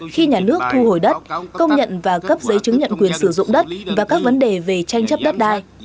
khi nhà nước thu hồi đất công nhận và cấp giấy chứng nhận quyền sử dụng đất và các vấn đề về tranh chấp đất đai